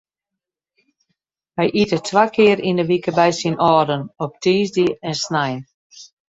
Wy ite twa kear yn de wike by syn âlden, op tiisdei en snein.